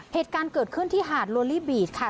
เหตุการณ์เกิดขึ้นที่หาดโลลี่บีชค่ะ